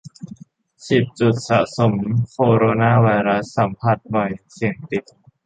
สิบ จุดสะสมโคโรนาไวรัส สัมผัสบ่อยเสี่ยงติด